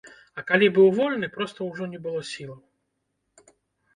А калі быў вольны, проста ўжо не было сілаў.